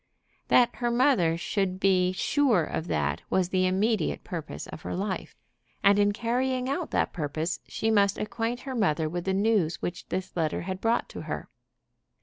That her mother should be sure of that was the immediate purpose of her life. And in carrying out that purpose she must acquaint her mother with the news which this letter had brought to her.